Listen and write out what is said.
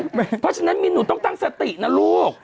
เพราะฉะนั้นมีหนูต้องตั้งสตินะลูก